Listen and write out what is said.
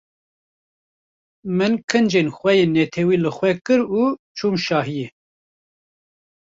Min kincên xwe yên netewî li xwe kirin û çûm şahiyê.